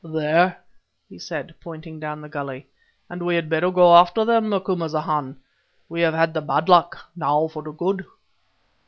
"There!" he said, pointing down the gully, "and we had better go after them, Macumazahn. We have had the bad luck, now for the good."